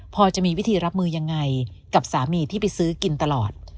พอจะมีวิธีรับมือยังไงกับสามีที่ไปซื้อกินตลอด